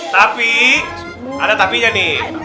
tapi ada tapi nya nih